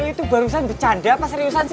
lu itu barusan bercanda apa seriusan sih